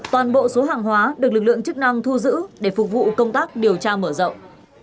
toàn bộ số hàng hóa được lực lượng chức năng thu giữ để phục vụ công tác điều tra mở rộng